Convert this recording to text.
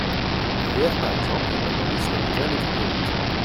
Hier, par exemple, il m’a demandé si ma migraine était guérite.